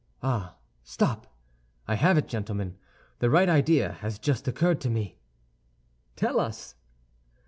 Ah, stop! I have it, gentlemen; the right idea has just occurred to me." "Tell us."